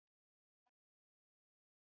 eneo lililojitenga amesema Mara ya kwanza sikuwa